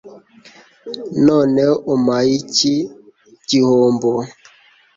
noneho umpaye iki gihombo